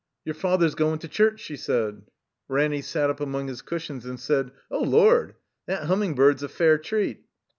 "Your father's goin' to church," she said. Ranny sat up among his cushions and said: ''Oh, Lord! That Humming bird's a fair treat."